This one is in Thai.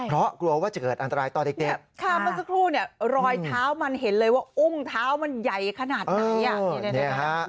เรื่องเท้ามันเห็นเลยว่าอุ้งเท้ามันใหญ่ขนาดไหน